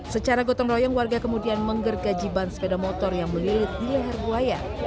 secara gotong royong warga kemudian menggergaji ban sepeda motor yang melilit di leher buaya